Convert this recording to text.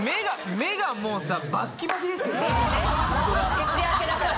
徹夜明けだから。